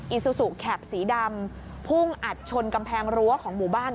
ซูซูแคปสีดำพุ่งอัดชนกำแพงรั้วของหมู่บ้าน